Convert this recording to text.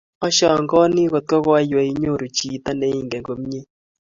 a shangani kot koiwe inyoru chiti ne ingen komie